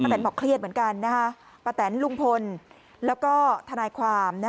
แนนบอกเครียดเหมือนกันป้าแตนลุงพลแล้วก็ทนายความ